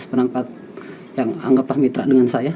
perangkat yang anggaplah mitra dengan saya